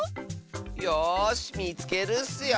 よしみつけるッスよ。